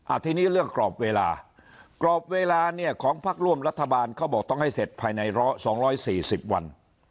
ทีนี้เรื่องกรอบเวลากรอบเวลาเนี่ยของพักร่วมรัฐบาลเขาบอกต้องให้เสร็จภายในร้อยสองร้อยสี่สิบวัน